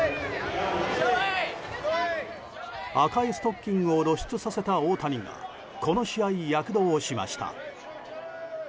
赤いストッキングを露出させた大谷が、この試合躍動しました。